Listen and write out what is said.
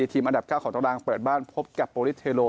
ทีมอันดับ๙ของตารางเปิดบ้านพบกับโปรลิสเทโล